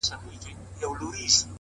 ما ستا په شربتي سونډو خمار مات کړی دی ـ